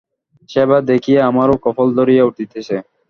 সেবা দেখিয়া আমারও কপাল ধরিয়া উঠিতেছে।